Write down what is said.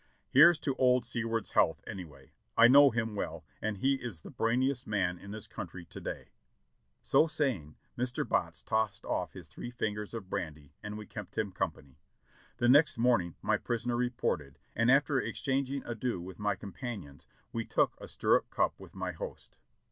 Here's to old Seward's health, anyway. I know him well, and he is the brainiest man in this country to day." So saying, Mr. Botts tossed off his three fingers of brandy and we kept him company. The next morning my prisoner reported, and after exchanging adieux with my companions we took a stirrup cup with my host.